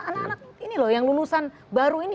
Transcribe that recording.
anak anak ini loh yang lulusan baru ini